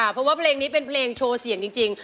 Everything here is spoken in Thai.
เพราะว่าเพลงนี้เป็นเพลงโชว์เสียงจริง